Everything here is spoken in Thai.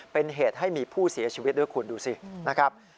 เป็นเหตุให้มีผู้เสียชีวิตด้วยคุณดูสินะครับ